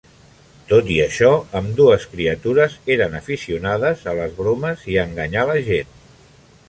Tot i això, ambdues criatures eren aficionades a les bromes i a enganyar la gent.